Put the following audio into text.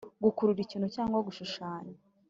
gukurura ikintu cyangwa gushushanya,